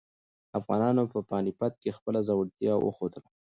افغانانو په پاني پت کې خپله زړورتیا وښودله.